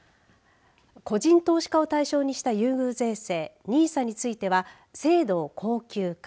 個人投資家を対象にした優遇税制ＮＩＳＡについては制度を恒久化。